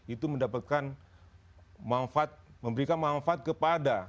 itu mendapatkan manfaat memberikan manfaat kepada